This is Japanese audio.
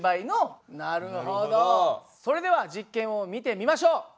それでは実験を見てみましょう。